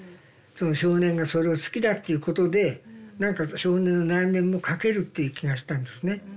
その少年がそれを好きだっていうことで何か少年の内面もかけるっていう気がしたんですね。